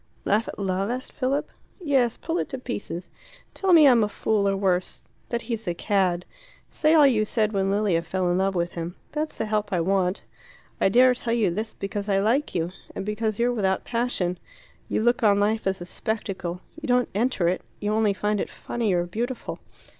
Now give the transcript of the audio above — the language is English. "Laugh at love?" asked Philip. "Yes. Pull it to pieces. Tell me I'm a fool or worse that he's a cad. Say all you said when Lilia fell in love with him. That's the help I want. I dare tell you this because I like you and because you're without passion; you look on life as a spectacle; you don't enter it; you only find it funny or beautiful.